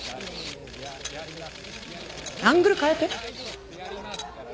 アングル変えて。